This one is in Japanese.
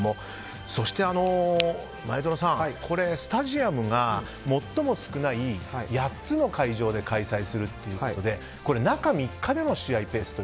そして、前園さんスタジアムが最も少ない８つの会場で開催するということで中３日での試合ペースと。